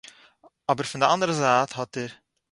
אבער פון די אנדערע זייט האט ער